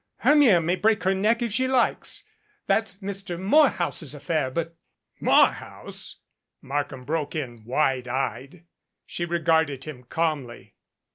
Hermia may break her neck if she likes; that's Mr. Morehouse's affair, but " "Morehouse!" Markham broke in, wide eyed. She regarded him calmly.